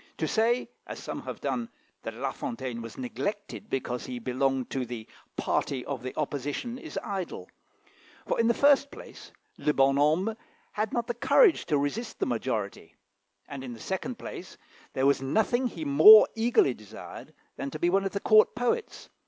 To say, as some have done, that La Fontaine was neglected because he belonged to the "party of the opposition," is idle; for, in the first place, le bonne homme had not the courage to resist the majority, and in the second place, there was nothing he more eagerly desired than to be one of the Court poets.